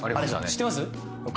知ってます？